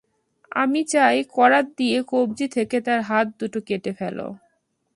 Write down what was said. আমি চাই করাত দিয়ে কব্জি থেকে তাঁর হাত দুটো কেটে ফেলো।